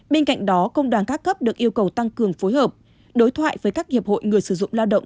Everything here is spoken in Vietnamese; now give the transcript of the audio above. bên cạnh đó công đoàn các cấp được yêu cầu tăng cường phối hợp đối thoại với các hiệp hội người sử dụng lao động